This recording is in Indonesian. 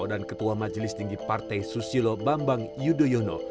dan ketua majelis tinggi partai susilo bambang yudhoyono